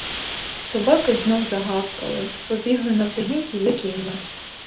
Собаки знов загавкали, побігли навздогінці за кіньми.